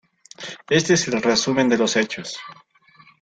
Este es el resumen de los hechos.